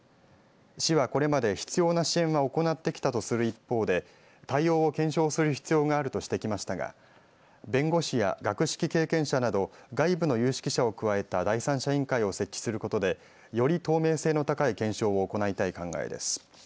市はこれまで必要な支援は行ってきたとする一方で対応を検証する必要があるとしてきましたが弁護士や学識経験者など外部の有識者を加えた第三者委員会を設置することでより透明性の高い検証を行いたい考えです。